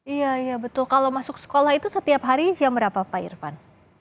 iya iya betul kalau masuk sekolah itu setiap hari jam berapa pak irfan